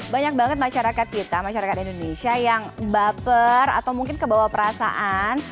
banyak banget masyarakat kita masyarakat indonesia yang baper atau mungkin kebawa perasaan